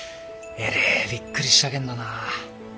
えれえびっくりしたけんどな。